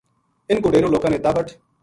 اِنھ کو ڈیرو لوکاں نے تابٹ